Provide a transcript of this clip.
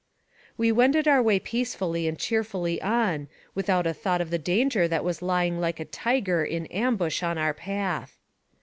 We wended our way peacefully and cheerfully on, without a thought of the danger that was lying like a tiger in ambush in our path.